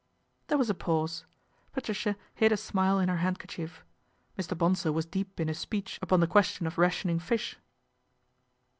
There was a pause. Patricia hid a smile in her handkerchief. Mr. Bonsor was deep in a speech upon the question of rationing fish.